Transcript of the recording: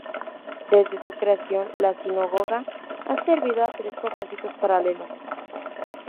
Desde su creación, la sinagoga ha servido a tres propósitos paralelos.